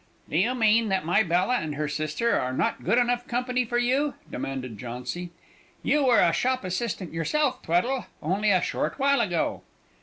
"Do you mean that my Bella and her sister are not good enough company for you?" demanded Jauncy. "You were a shop assistant yourself, Tweddle, only a short while ago!"